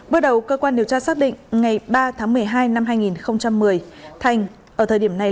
bước đầu cơ quan điều tra xác định ngày ba tháng một mươi hai năm hai nghìn một mươi thành ở thời điểm này